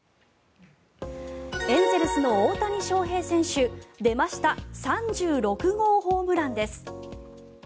エンゼルスの大谷翔平選手出ました３６号ホームランです。